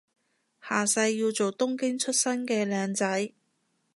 下世要做東京出身嘅靚仔